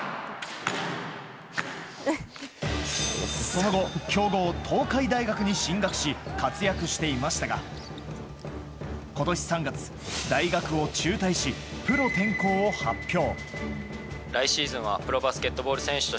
その後強豪・東海大学に進学し活躍していましたが今年３月大学を中退し、プロ転向を発表。